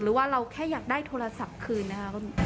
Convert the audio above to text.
หรือว่าเราแค่อยากได้โทรศัพท์คืนนะครับ